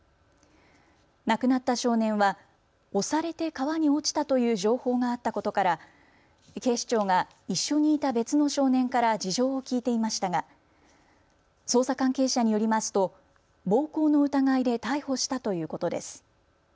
亡くなった少年は押されて川に落ちたという情報があったことから警視庁が一緒にいた別の少年から事情を聴いていましたが捜査関係者によりますと暴行の疑いで逮捕したということです。